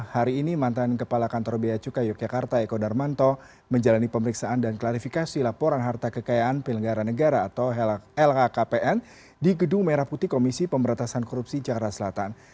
hari ini mantan kepala kantor beacukai yogyakarta eko darmanto menjalani pemeriksaan dan klarifikasi laporan harta kekayaan penyelenggara negara atau lhkpn di gedung merah putih komisi pemberantasan korupsi jakarta selatan